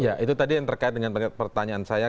ya itu tadi yang terkait dengan pertanyaan saya